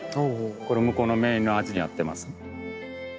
これ向こうのメインのアーチでやってます。